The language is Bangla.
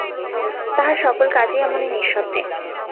তাঁহার সকল কাজই এমনি নিঃশব্দে।